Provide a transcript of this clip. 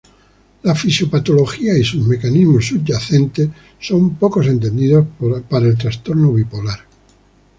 La fisiopatología y sus mecanismos subyacentes son pocos entendidos para el trastorno bipolar.